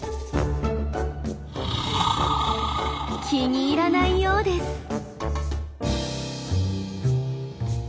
気に入らないようです。